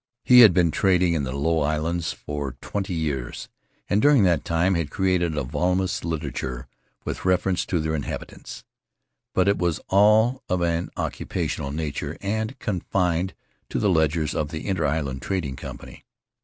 He had been trading in the Low Islands for twenty years, and during that time had created a voluminous literature with reference to their inhabitants. But it was all of an occupational nature and confined to the ledgers of the Inter Island Trading Company.